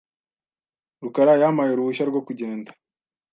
rukara yampaye uruhushya rwo kugenda .